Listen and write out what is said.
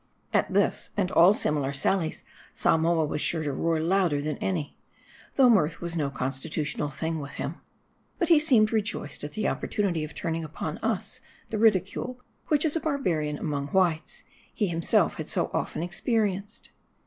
At this, and all similar sallies, Samoa was sure to roar louder than any ; though mirth was no constitutional thing with him. But he seemed rejoiced at the opportunity of turning upon us the ridicule, which as a barbarian among whites, he himself had so often experienced.